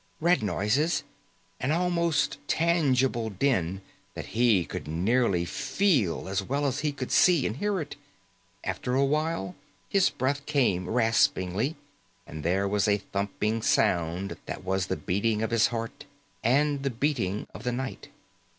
Red noises, an almost tangible din that he could nearly feel as well as he could see and hear it. And after a while his breath came raspingly, and there was a thumping sound that was the beating of his heart and the beating of the night.